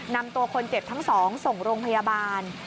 นำตัวคนเจ็บทั้งสองส่งโรงพยาบาล